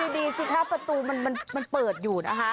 ดีสิคะประตูมันเปิดอยู่นะคะ